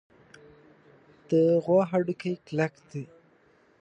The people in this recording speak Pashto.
د غوا هډوکي کلک دي.